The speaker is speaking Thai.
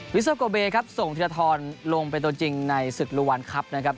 วิสัพโกเบส่งทีละทอนลงเป็นตัวจริงในศึกรวรรณคับ